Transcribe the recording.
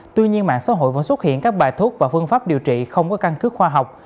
tuy nhiên mạng xã hội vẫn xuất hiện các bài thuốc và phương pháp điều trị không có căn cứ khoa học